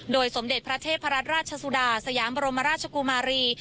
สมเด็จพระเทพรัตนราชสุดาสยามบรมราชกุมารี